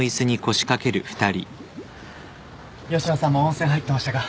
吉野さんも温泉入ってましたか。